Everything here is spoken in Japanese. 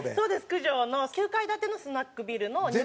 九条の９階建てのスナックビルの。